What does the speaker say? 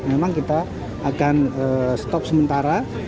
memang kita akan stop sementara